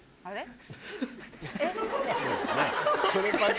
あれ？